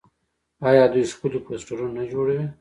آیا دوی ښکلي پوسټرونه نه جوړوي؟